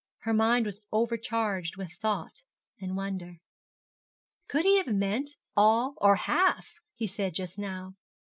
Her mind was overcharged with thought and wonder. Could he have meant all or half he said just now?